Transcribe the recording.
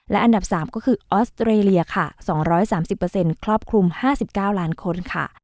และอันดับ๓ก็คือออสเตอเรลียค่ะ๒๓๐เปอร์เซ็นต์ครอบคลุม๕๙ล้านคนค่ะ